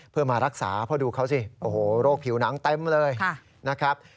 เพื่อมารักษาเพราะดูเขาสิโอ้โหโรคผิวหนังเต็มเลยนะครับ